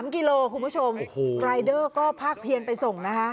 ๑๓กิโลกรัมคุณผู้ชมรายเดอร์ก็พากเทียนไปส่ง